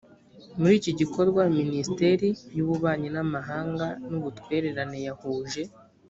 muri iki gikorwa minisiteri y ububanyi n amahanga n ubutwererane yahuje